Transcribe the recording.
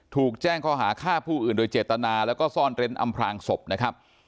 ถูกแจ้งข้อหาฆ่าผู้อื่นโดยเจตนาแล้วก็ซ่อนเร้นอำพลางศพนะครับ